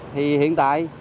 thì hiện tại